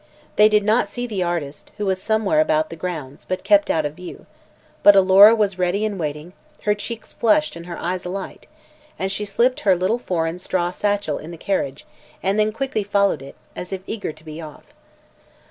They did not see the artist, who was somewhere about the grounds but kept out of view; but Alora was ready and waiting, her cheeks flushed and her eyes alight, and she slipped her foreign little straw satchel in the carriage and then quickly followed it, as if eager to be off.